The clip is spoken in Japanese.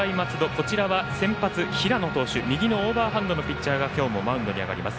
こちらは先発、平野投手右のオーバーハンドのピッチャーが今日もマウンドに上がります。